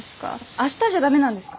明日じゃ駄目なんですか？